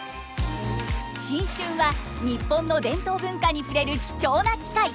新春は日本の伝統文化に触れる貴重な機会。